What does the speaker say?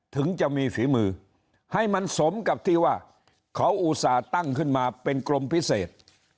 ถึงจะมีฝีมือให้มันสมกับที่ว่าเขาอุตส่าห์ตั้งขึ้นมาเป็นกรมพิเศษ